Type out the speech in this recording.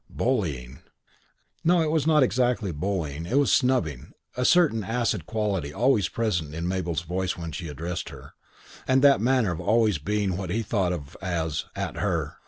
Bullying. No, it was not exactly bullying, it was snubbing, a certain acid quality always present in Mabel's voice when she addressed her, that and a manner of always being what he thought of as "at her."